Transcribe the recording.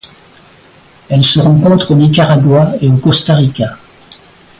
Elle se rencontre au Nicaragua et au Costa Rica.